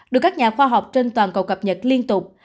được các nhà khoa học trên toàn cầu cập nhật liên tục